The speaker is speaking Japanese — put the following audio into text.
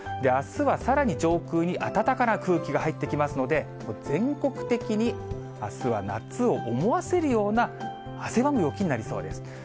あすはさらに上空に暖かな空気が入ってきますので、全国的にあすは、夏を思わせるような、汗ばむ陽気になりそうです。